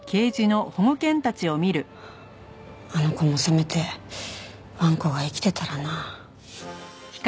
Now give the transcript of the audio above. あの子もせめてわんこが生きてたらな。